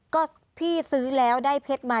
ก็พี่ซื้อแล้วได้เพชรมา